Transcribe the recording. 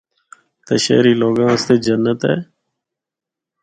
تے شہری لوگاں آسطے جنّت اے۔